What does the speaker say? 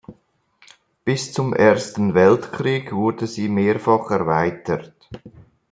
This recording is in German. Bis zum Ersten Weltkrieg wurde sie mehrfach erweitert.